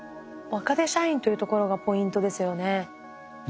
若手社員というところがポイントですよね。